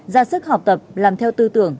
ra sức học tập làm theo tư tưởng